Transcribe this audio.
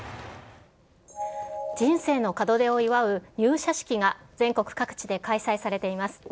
人生の門出を祝う入社式が全国各地で開催されています。